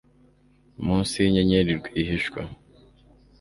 munsi yinyenyeri rwihishwa